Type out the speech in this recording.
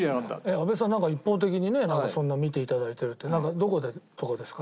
阿部さんなんか一方的にねなんかそんな見て頂いてるってなんかどこでとかですか？